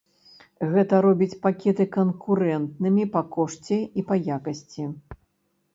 Гэта робіць пакеты канкурэнтнымі па кошце і па якасці.